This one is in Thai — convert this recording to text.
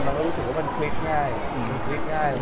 และรู้สึกว่าคุยง่าย